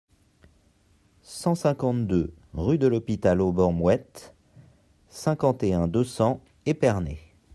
cent cinquante-deux rue de l'Hôpital Auban Moët, cinquante et un, deux cents, Épernay